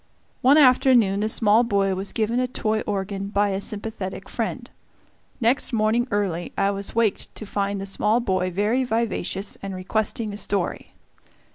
One afternoon the small boy was given a toy organ by a sympathetic friend. Next morning early I was waked to find the small boy very vivacious and requesting a story.